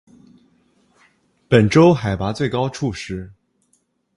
本州海拔最高处是。